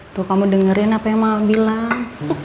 tuh kamu dengerin apa yang ma bilang